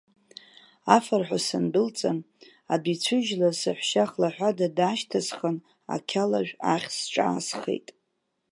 Афырҳәа сындәылҵын, адәы ицәыжьлаз саҳәшьа хлаҳәада даашьҭысхын, ақьалажә ахь сҿаасхеит.